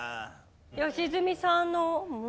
良純さんのん？